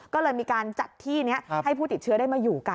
ก็เลยมีการจัดที่นี้ให้ผู้ติดเชื้อได้มาอยู่กัน